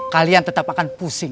kalian tetap akan pusing